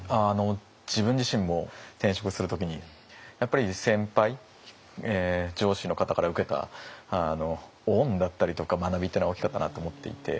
自分自身も転職する時にやっぱり先輩上司の方から受けた恩だったりとか学びっていうのは大きかったなと思っていて。